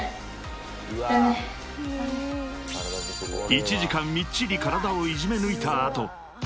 ［１時間みっちり体をいじめ抜いた後］